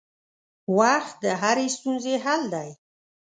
وخت د هرې ستونزې حل دی.